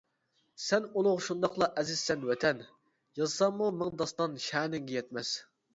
سەن ئۇلۇغ شۇنداقلا ئەزىزسەن ۋەتەن، يازساممۇ مىڭ داستان شەنىڭگە يەتمەس.